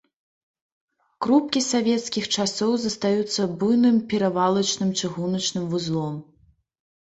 Крупкі з савецкіх часоў застаюцца буйным перавалачным чыгуначным вузлом.